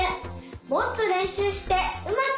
もっとれんしゅうしてうまくなりたい！